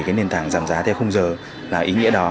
cái nền tảng giảm giá theo khung giờ là ý nghĩa đó